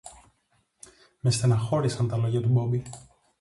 Με στενοχώρησαν τα λόγια του Μπόμπη.